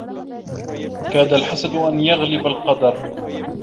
كَادَ الْحَسَدُ أَنْ يَغْلِبَ الْقَدَرَ